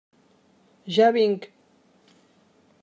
Ja vinc!